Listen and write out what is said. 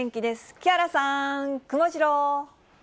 木原さん、くもジロー。